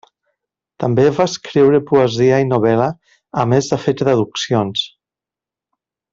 També va escriure poesia i novel·la, a més de fer traduccions.